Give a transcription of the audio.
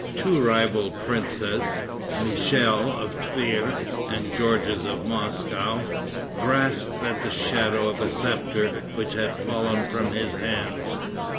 Two rival princes, Michel of Tver, and Georges of Moscow, grasped at the shadow of a scepter which had fallen from his hands.